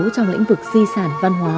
trong lĩnh vực di sản văn hóa